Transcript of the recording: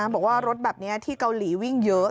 บอกว่ารถแบบนี้ที่เกาหลีวิ่งเยอะ